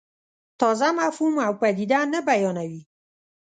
تازه مفهوم او پدیده نه بیانوي.